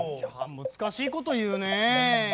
むずかしいこというねえ。でしょ。